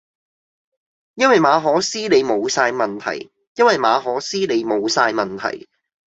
因為馬可思你無曬問題，因為馬可思你無曬問題